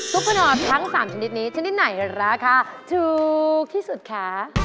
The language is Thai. พะนอนทั้ง๓ชนิดนี้ชนิดไหนราคาถูกที่สุดคะ